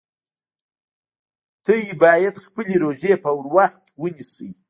تاسو باید خپلې روژې په وخت ونیسئ